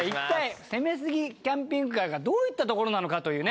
攻めすぎキャンピングカーがどういったところなのかというね。